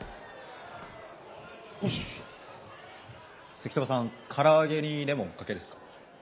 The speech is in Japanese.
赤兎馬さん唐揚げにレモンかけるっすか？